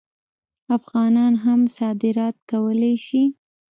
افغانان هم صادرات کولی شي.